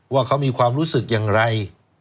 ว่าเขามีความรู้สึกอย่างไร